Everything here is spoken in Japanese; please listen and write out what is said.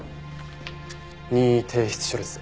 任意提出書です。